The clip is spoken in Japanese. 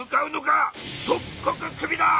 即刻クビだ！